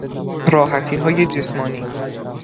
راحتیهای جسمانی